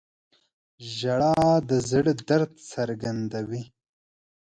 • ژړا د زړه درد څرګندوي.